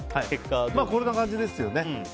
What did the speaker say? こんな感じですよね。